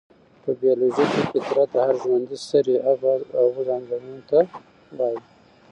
په بيالوژي کې فطرت د هر ژوندي سري هغو ځانګړنو ته وايي،